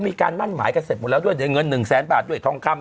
มีการมั่นหมายกันเสร็จหมดแล้วด้วยเงิน๑แสนบาทด้วยทองคำ